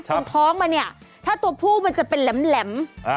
ตรงท้องมันเนี่ยถ้าตัวผู้มันจะเป็นแหลม